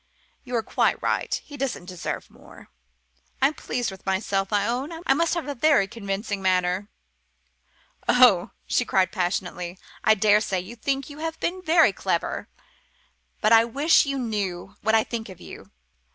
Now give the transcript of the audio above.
You're quite right he doesn't deserve more! I am pleased with myself, I own. I must have a very convincing manner." "Oh," she cried passionately, "I daresay you think you've been very clever. But I wish you knew what I think of you.